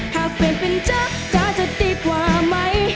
ถ้าเปลี่ยนเป็นจ๊ะจ๊ะจะดีกว่าไหม